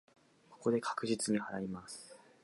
ここで確実に祓います。